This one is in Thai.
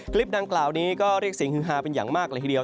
คลิปดังกล่าวนี้ก็เรียกเสียงฮือฮาเป็นอย่างมากเลยทีเดียว